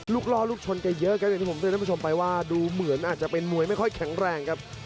ลูกล่อลูกชนกันเยอะกันนะครับดูเหมือนอาจจะเป็นมวยไม่ค่อยแข็งแรงครับ